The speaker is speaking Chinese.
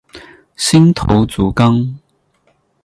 新头足纲。